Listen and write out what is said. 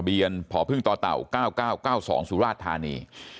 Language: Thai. ทะเบียนผอพึ่งต่อเต่า๙๙๙๒สุราชธานี